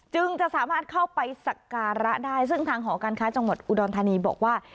จึงจะสามารถเข้าไปสักการะได้ซึ่งทางหอการค้าจังหวัดอุดรธานีบอกว่า